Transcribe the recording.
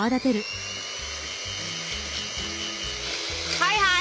はいはい！